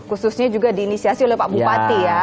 khususnya juga diinisiasi oleh pak bupati ya